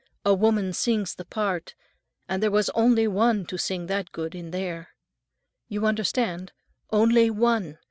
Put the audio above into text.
A woman sings the part, and there was only one to sing that good in there. You understand? Only one!"